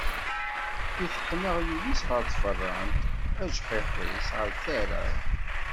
Iteqqen aɣyul-is ɣer tfeṛṛant, ajḥiḥ-is ɣer tara.